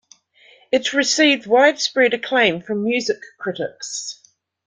It received widespread acclaim from music critics.